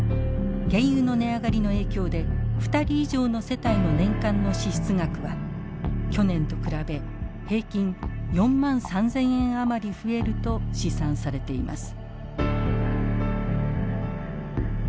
原油の値上がりの影響で２人以上の世帯の年間の支出額は去年と比べ平均４万３，０００円余り増えると試算されています。